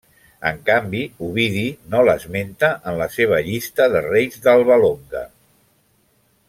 En canvi Ovidi no l'esmenta en la seva llista de reis d'Alba Longa.